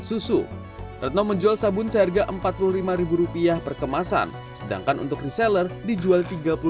susu retno menjual sabun seharga empat puluh lima rupiah perkemasan sedangkan untuk reseller dijual tiga puluh